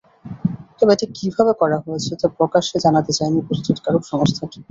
তবে এটা কীভাবে করা হয়েছে, তা প্রকাশ্যে জানাতে চায়নি প্রস্তুতকারক সংস্থাটি।